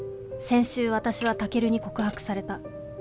先週私はタケルに告白された。